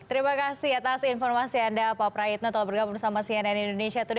terima kasih atas informasi anda pak prayitno telah bergabung bersama cnn indonesia today